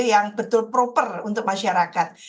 yang betul proper untuk masyarakat